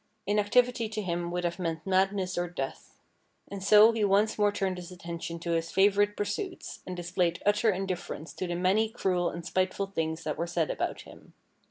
Inactivity to him would have meant madness or death. And so he once more turned his attention to his favourite pursuits, and displayed utter indifference to the many cruel and spiteful things that were said about him.